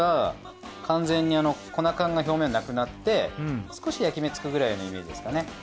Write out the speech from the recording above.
完全に粉感が表面なくなって少し焼き目つくくらいのイメージですかね。